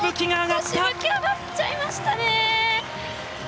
ちょっとしぶきが上がっちゃいましたね。